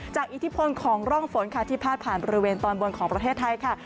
อิทธิพลของร่องฝนค่ะที่พาดผ่านบริเวณตอนบนของประเทศไทยค่ะ